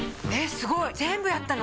すごい全部やったの？